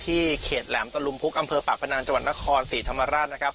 ที่เขตแหลมตะลุ้มพุกอำเภอปากประนานจนครศรีธรรมราช